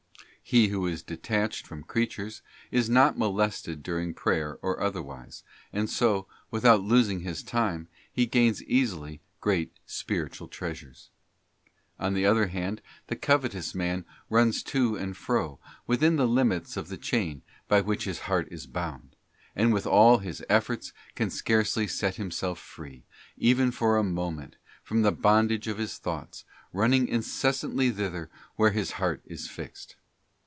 He who is detached from creatures, is not molested during prayer or otherwise, and so, without losing his time, he gains easily great spiritual treasures. On the other hand, the covetous man runs to and fro, within the limits of the chain by which his heart is bound, and with all his efforts can scarcely set himself free, even for a moment, from the bondage of his thoughts, running incessantly thither where his heart is fixed.